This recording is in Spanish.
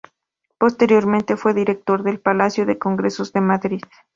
Posteriormente, fue director del Palacio de Congresos de Madrid.